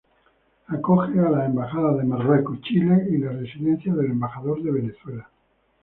Acoge a las embajadas de Marruecos, Chile y la residencia del embajador de Venezuela.